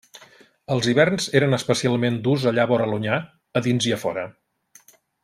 Els hiverns eren especialment durs allà vora l'Onyar, a dins i a fora.